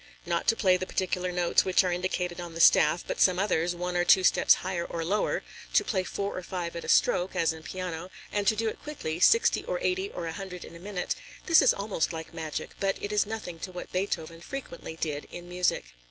Not to play the particular notes which are indicated on the staff, but some others, one or two steps higher or lower; to play four or five at a stroke, as in piano, and to do it quickly, sixty or eighty or a hundred in a minute, this is almost like magic, but it is nothing to what Beethoven frequently did in music.